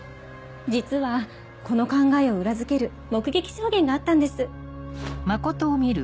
実はこの考えを裏付ける目撃証言があったんです。